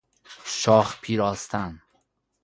شاخ پیراستن